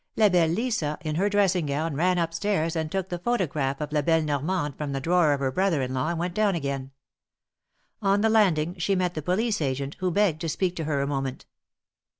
La belle Lisa, in her dressing gown, ran up stairs and took the photograph of La belle Normande from the drawer of her brother in law and went down again. On the land ing she met the police agent, who begged to speak to her a moment.